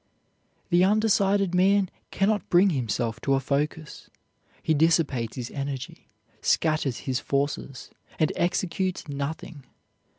The undecided man can not bring himself to a focus. He dissipates his energy, scatters his forces, and executes nothing.